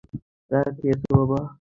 চা খেয়েছ, বাবা?